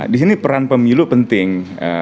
disini peran pemilu penting